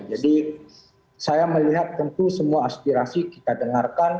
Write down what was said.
jadi saya melihat tentu semua aspirasi kita dengarkan